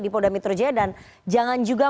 di polda metro jaya dan jangan juga